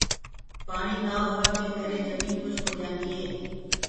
پآڻي نآ هوآ ڪي ڪري جميٚن کُشڪ هوجآندي هي۔